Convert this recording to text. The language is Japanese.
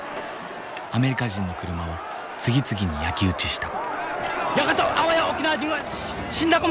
アメリカ人の車を次々に焼き打ちした。